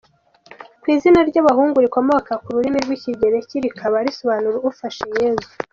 ni izina ry’abahungu rikomoka ku rurimi rw’Ikigereki rikaba risobanura “Ufashe Yezu”.